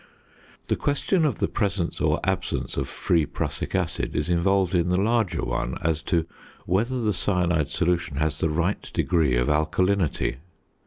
The question of the presence or absence of free prussic acid is involved in the larger one as to whether the cyanide solution has the right degree of alkalinity.